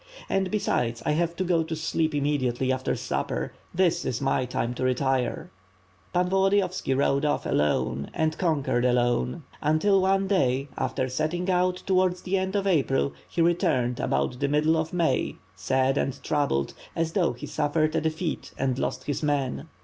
And, besides, I have to go to sleep immediately after supper, that is my time to retire." Pan Volodiyovski rode off alone and conquered alone until one day after setting out towards the end of April he re turned about the middle of May, sad and troubled, as though he had suffered a defeat and lost his men.